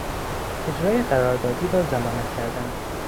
اجرای قراردادی را ضمانت کردن